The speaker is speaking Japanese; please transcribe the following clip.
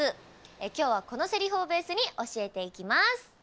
今日はこのせりふをベースに教えていきます。